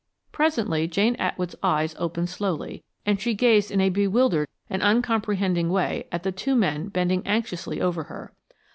Presently Jane Atwood's eyes opened slowly, and she gazed in a bewildered and uncomprehending way at the two men bending anxiously over her.